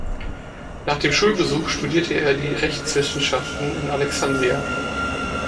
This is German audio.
Nach dem Schulbesuch studierte er die Rechtswissenschaften in Alexandria.